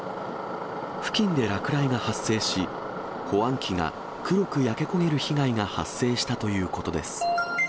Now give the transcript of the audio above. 付近で落雷が発生し、保安器が黒く焼け焦げる被害が発生したということです。